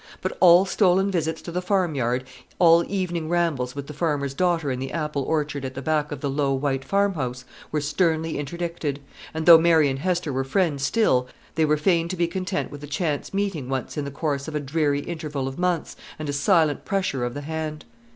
But all stolen visits to the farmyard, all evening rambles with the farmer's daughter in the apple orchard at the back of the low white farmhouse, were sternly interdicted; and though Mary and Hester were friends still, they were fain to be content with a chance meeting once in the course of a dreary interval of months, and a silent pressure of the hand.